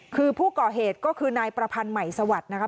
คือผู้ก่อเหตุก็คือนายประพันธ์ใหม่สวัสดิ์นะครับ